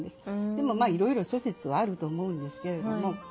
でもまあいろいろ諸説はあると思うんですけれども。